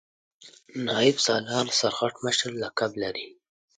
نایب سالار سرغټ مشر لقب لري.